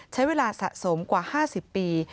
ใช้เวลาสะสมกว่า๕๐ปี